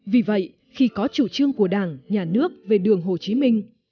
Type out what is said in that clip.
vì vậy khi có chủ trương của đảng nhà nước về đường hồ chí minh